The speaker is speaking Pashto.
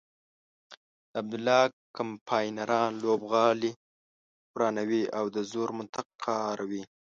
د عبدالله کمپاینران لوبغالی ورانوي او د زور منطق کاروي.